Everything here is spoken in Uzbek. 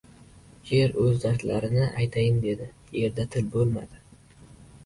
Yer o‘z dardini aytayin dedi — yerda til bo‘lmadi.